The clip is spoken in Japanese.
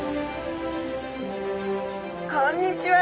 こんにちは。